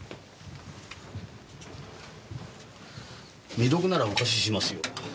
未読ならお貸ししますよ。